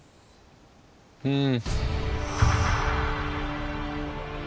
うん。